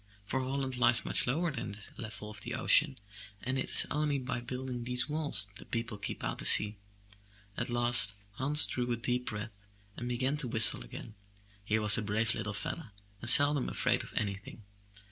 For Holland lies much lower than the level of the ocean and it is only by building these walls, that the people keep out the sea. At last Hans drew a deep breath and began to whistle again; he was a brave little fellow and seldom afraid of anything.